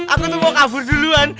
aku tuh mau kabur duluan